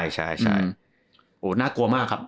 ใช่น่ากลัวมากครับ